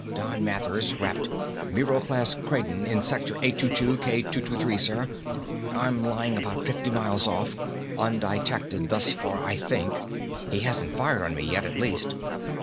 Don Mathers rapped, "Miro class Kraden in sector A22 K223, sir. I'm lying about fifty miles off. Undetected thus far I think. He hasn't fired on me yet, at least."